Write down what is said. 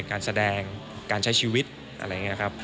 การแสดงการใช้ชีวิตอะไรอย่างนี้ครับ